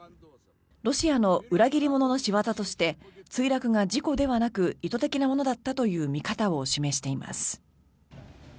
ロシアの裏切り者の仕業として墜落が事故ではなく意図的なものだったという見方を示しています。